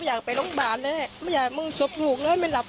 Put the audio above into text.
อายุ๑๐ปีนะฮะเขาบอกว่าเขาก็เห็นถูกยิงนะครับ